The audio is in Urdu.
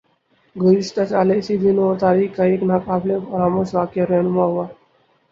گزشتہ سال اسی دن اور تاریخ کو ایک نا قابل فراموش واقعہ رونما ھوا